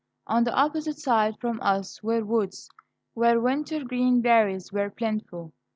On the opposite side from us were woods, where wintergreen berries were plentiful.